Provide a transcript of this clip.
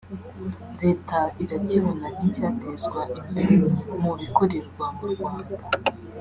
leta irakibona nk’icyatezwa imbere mu bikorerwa mu Rwanda